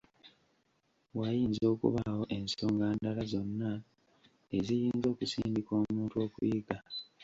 Wayinza okubaawo ensonga ndala zonna eziyinza okusindika omuntu okuyiga.